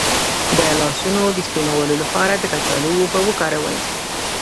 د لاسونو د سپینولو لپاره د کچالو اوبه وکاروئ